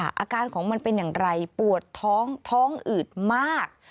อาการของมันเป็นอย่างไรปวดท้องท้องอืดมาก